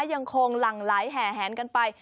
ยังคงหลั่งไหลแห่แหนกันไป